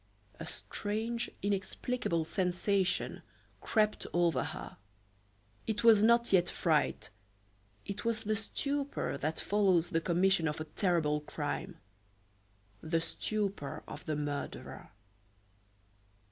A strange, inexplicable sensation crept over her; it was not yet fright, it was the stupor that follows the commission of a terrible crime the stupor of the murderer.